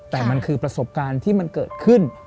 แต่มันคือประสบการณ์ที่มันเกิดขึ้น